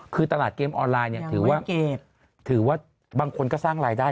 คือตลาดเกมออนไลน์ถือว่าบางคนก็สร้างรายได้